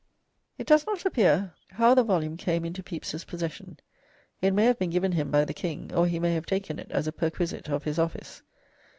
It does not appear how the volume came into Pepys's possession. It may have been given him by the king, or he may have taken it as a perquisite of his office.